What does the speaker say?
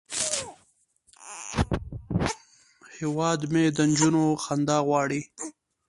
هیواد مې د نجونو خندا غواړي